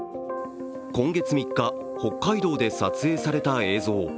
今月３日、北海道で撮影された映像。